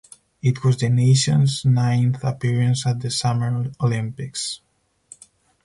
It was the nations ninth appearance at the Summer Olympics.